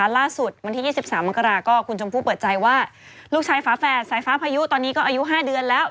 ล่าสุดวันที่๒๓มกราก็คุณชมพู่เปิดใจว่าลูกชายฝาแฝดสายฟ้าพายุตอนนี้ก็อายุ๕เดือนแล้ว